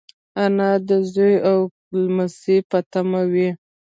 انا د زوی او لمسيو په تمه وي